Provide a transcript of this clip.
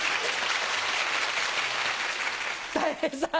たい平さん。